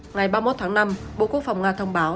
ngày ba mươi một tháng năm bộ quốc phòng nga thông báo